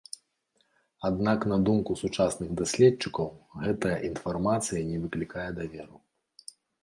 Аднак на думку сучасных даследчыкаў гэтая інфармацыя не выклікае даверу.